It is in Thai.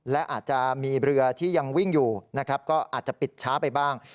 และอาจจะมีเรือที่ยังวิ่งอยู่นะครับก็อาจจะปิดช้าไปบ้าง